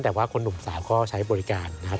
แต่ว่าคนหนุ่มสาวก็ใช้บริการนะครับ